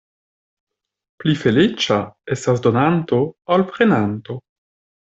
Pli feliĉa estas donanto ol prenanto.